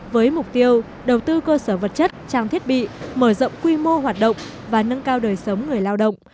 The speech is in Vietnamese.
với mục tiêu đầu tư cơ sở vật chất trang thiết bị mở rộng quy mô hoạt động và nâng cao đời sống người lao động